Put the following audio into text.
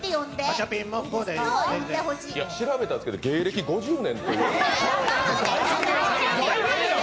調べたんですけど、芸歴５０年ということで。